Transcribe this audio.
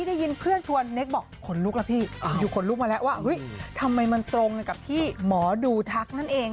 แล้วก่อนนานี่ก็มีถามถามแล้วก็ไม่จองไม่บล็อกกิ๊ง